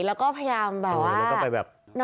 แล้วก็พยายามแบบว่า